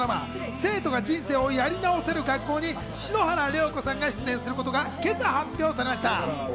『生徒が人生をやり直せる学校』に篠原涼子さんが出演することが今朝発表されました。